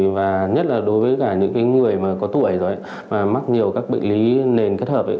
và nhất là đối với cả những cái người mà có tuổi rồi ấy mà mắc nhiều các bệnh lý nền kết hợp ấy